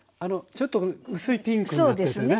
ちょっと薄いピンクになっててね。